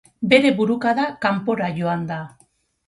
Bere burukada kanpora joan da.